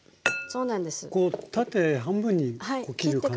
こう縦半分に切る感じですか？